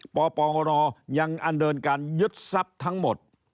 ปปรยังอันเดินการยึดทรัพย์ทั้งหมด